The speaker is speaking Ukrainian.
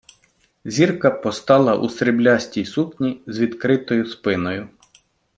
Зірка постала у сріблястій сукні з відкритою спиною.